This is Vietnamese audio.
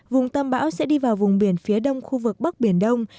vùng tâm bão sẽ đi vào vùng biển phía đông khu vực bắc biển đông